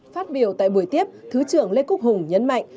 phát biểu tại buổi tiếp thứ trưởng lê quốc hùng nhấn mạnh